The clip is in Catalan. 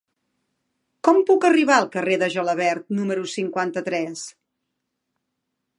Com puc arribar al carrer de Gelabert número cinquanta-tres?